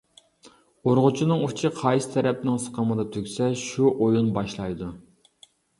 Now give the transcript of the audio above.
ئۇرغۇچىنىڭ ئۇچى قايسى تەرەپنىڭ سىقىمىدا تۈگىسە شۇ ئويۇن باشلايدۇ.